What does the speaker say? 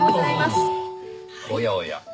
おやおや。